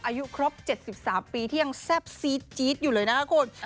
อายุครบ๗๓ปีที่ยังแซ่บซีดจี๊ดอยู่เลยนะคะคุณ